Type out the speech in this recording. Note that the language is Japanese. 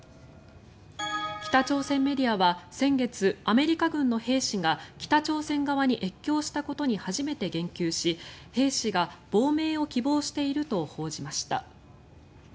北朝鮮メディアは先月、アメリカ軍の兵士が北朝鮮側に越境したことに初めて言及し兵士が亡命を希望していると報じました。